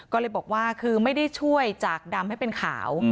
ก็เลยบอกว่าคือไม่ได้ช่วยจากดำให้เป็นขาว